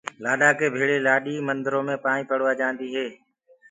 لآڏآݪا ڪي ڀيݪي لآڏي مندرو مي پائينٚ پڙوآ جآندي هي۔